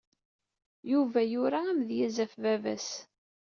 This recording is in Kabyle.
Yuba yura amedyaz ɣef vava-s.